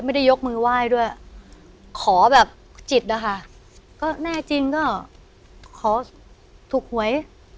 ยกมือไหว้ด้วยขอแบบจิตอะค่ะก็แน่จริงก็ขอถูกหวย